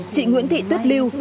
chị nguyễn thị tuyết lưu